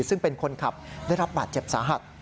ซึ่งเป็นคนขับได้รับบาดเจ็บสาหัส